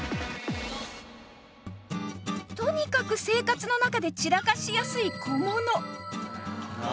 とにかく生活の中で散らかしやすい小物